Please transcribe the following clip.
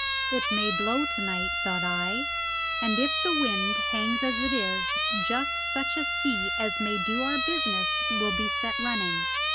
"It may blow to night," thought I; "and if the wind hangs as it is, just such a sea as may do our business will be set running."